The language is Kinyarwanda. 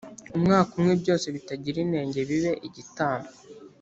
umwaka umwe byose bitagira inenge bibe igitambo